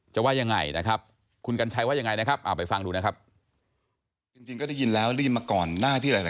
จะว่ายังไงนะครับ